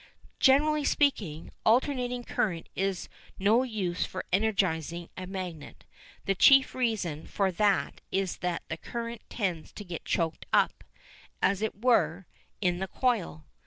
Generally speaking, alternating current is no use for energising a magnet. The chief reason for that is that the current tends to get choked up, as it were, in the coil.